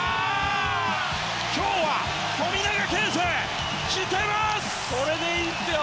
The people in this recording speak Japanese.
今日は富永啓生、来てます！